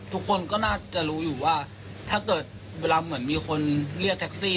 ทุกคนก็น่าจะรู้อยู่ว่าถ้าเกิดเวลาเหมือนมีคนเรียกแท็กซี่